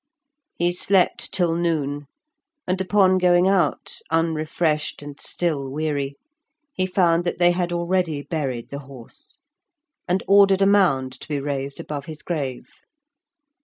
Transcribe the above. He slept till noon, and, upon going out, unrefreshed and still weary, he found that they had already buried the horse, and ordered a mound to be raised above his grave.